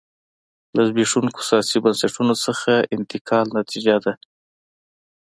له زبېښونکو سیاسي بنسټونو څخه انتقال نتیجه ده.